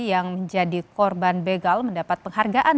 yang menjadi korban begal mendapat penghargaan